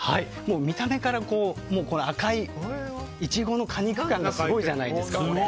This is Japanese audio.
見た目から赤いイチゴの果肉感すごいじゃないですか。